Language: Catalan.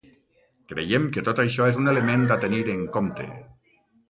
Creiem que tot això és un element a tenir en compte.